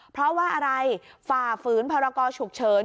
เพราะว่าอะไรฝ่าฝืนพรกรฉุกเฉิน